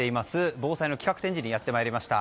防災の企画展示にやってまいりました。